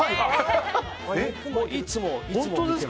いつも見てます。